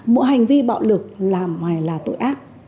mỗi hành vi bạo lực là ngoài là tội ác